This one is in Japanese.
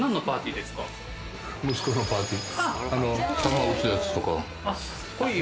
息子のパーティー。